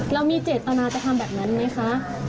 เรามีเจ็ดตอนนั้นจะทำแบบนั้นไหมคะ